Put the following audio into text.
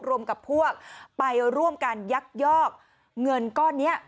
รวมกับพวกไปร่วมการยักยอกเงินก้อนนี้